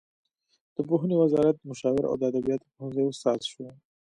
د پوهنې وزارت مشاور او د ادبیاتو پوهنځي استاد شو.